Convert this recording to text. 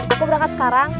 aku berangkat sekarang